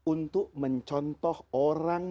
untuk mencontoh orang